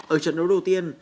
ở trận đấu đầu tiên